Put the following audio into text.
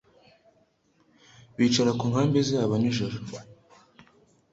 Bicaraga ku nkambi zabo nijoro.